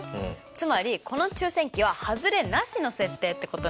つまりこの抽選器は外れなしの設定ってことなんです。